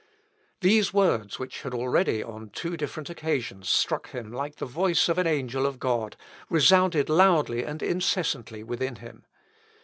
_" These words, which had already on two different occasions struck him like the voice of an angel of God, resounded loudly and incessantly within him.